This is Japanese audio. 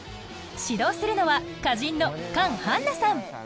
指導するのは歌人のカン・ハンナさん。